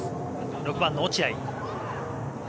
６番の落合。